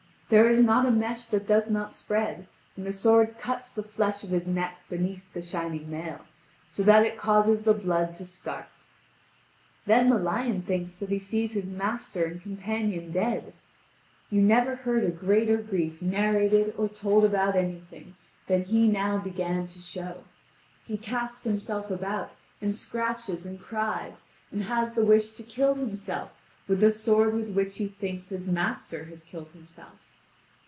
There is not a mesh that does not spread, and the sword cuts the flesh of his neck beneath the shining mail, so that it causes the blood to start. Then the lion thinks that he sees his master and companion dead. You never heard greater grief narrated or told about anything than he now began to show. He casts himself about, and scratches and cries, and has the wish to kill himself with the sword with which he thinks his master has killed himself.